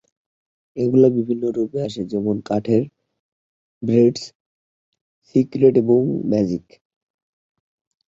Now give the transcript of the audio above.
এগুলো বিভিন্ন রূপে আসে, যেমন কাঠের, ব্রেসড, সিক্রেট এবং ম্যাজিক।